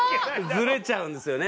ズレちゃうんですよね。